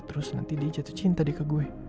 terus nanti dia jatuh cinta deh ke gue